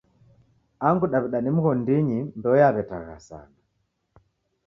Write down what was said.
Angu Daw'ida ni mighondinyi mbeo yaw'etagha sana.